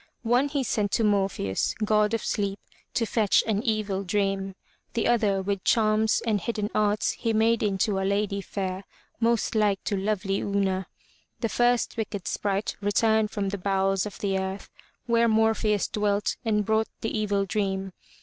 One he sent to Mor'pheus, god of sleep, to fetch an evil dream. The other with charms and hidden arts he made into a lady fair, most like to lovely Una. The first wicked sprite returned from the bowels of the earth where Morpheus dwelt and brought the evil dream.